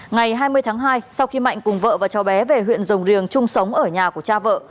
ngày hai mươi tháng hai sau khi mạnh cùng vợ và cháu bé về huyện rồng riềng chung sống ở nhà của cha vợ